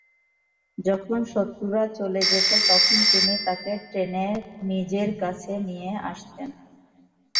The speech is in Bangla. যখন শত্রুরা চলে যেত তখন তিনি তাকে টেনে নিজের কাছে নিয়ে আসতেন।